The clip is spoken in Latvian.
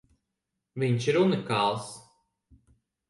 Viņš ir unikāls!